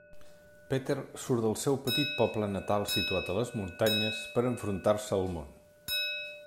Peter surt del seu petit poble natal situat a les muntanyes per enfrontar-se al món.